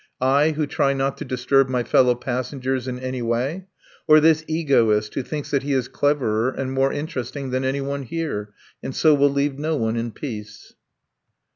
"I, who try not to disturb my fellow passengers in any way, or this egoist who thinks that he is cleverer and more interesting than anyone here, and so will leave no one in peace?"